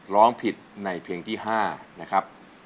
ร้องผิดในเพลงที่๕นะครับ